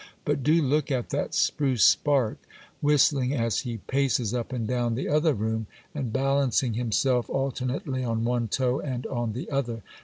But do look at that spruce spark, whistling as he paces up and down the other room, and balancing himself alternately on one toe and on the other.